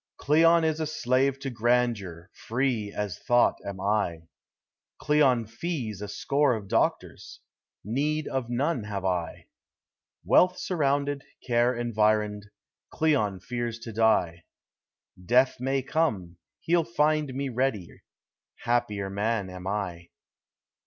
Cleon is a slave to grandeur, free as thought am I; Cleon fees a score of doctors, need of none have I; Wealth surrounded, care environed, Cleon fears to die; Death may come, he'll find me ready, happier man am I.